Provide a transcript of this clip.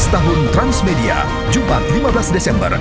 tujuh belas tahun transmedia jumat lima belas desember